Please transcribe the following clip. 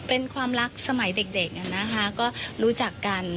เป็นความรักสมัยเด็กนะคะก็รู้จักกัน